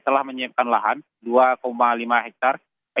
telah menyiapkan lahan dua lima hektare